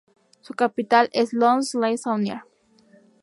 Su capital es Lons-le-Saunier.